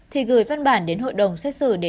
thì gửi văn bản đến hội đồng xét xử để được xem xét